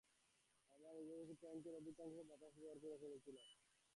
আমরা নিজেদের ট্যাঙ্কের অধিকাংশ বাতাস ব্যবহার করে ফেলেছিলাম।